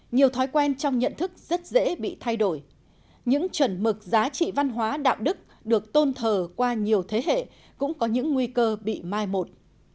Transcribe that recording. nhiều thói quen trong nhận thức rất dễ bị thay đổi những chuẩn mực giá trị văn hóa đạo đức được tôn thờ qua nhiều thế hệ cũng có những nguy cơ bị mai một